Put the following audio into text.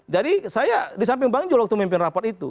jadi saya di samping bang jo waktu memimpin rapat itu